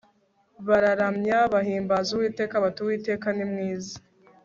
bararamya, bahimbaza uwiteka bati 'uwiteka ni mwiza